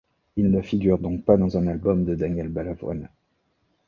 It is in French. Il ne figure donc pas dans un album de Daniel Balavoine.